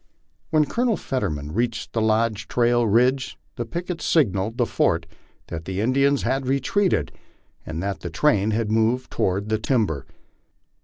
When Colonel Fetterman reached Lodge Trail ridge the picket signalled the fort that the Indians had retreated, and that the train had moved toward the timber.